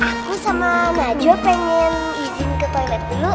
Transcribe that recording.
aku sama najwa pengen izin ke toilet dulu